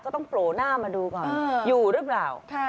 ต้องโผล่หน้ามาดูก่อนอยู่หรือเปล่า